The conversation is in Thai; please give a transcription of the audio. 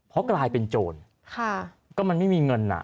เพราะกลายเป็นโจรก็มันไม่มีเงินอ่ะ